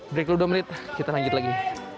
break dulu dua menit kita lanjut lagi